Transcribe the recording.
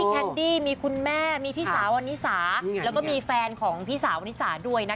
แคนดี้มีคุณแม่มีพี่สาววันนิสาแล้วก็มีแฟนของพี่สาวนิสาด้วยนะคะ